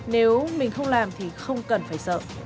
nếu mình không làm thì không cần phải sợ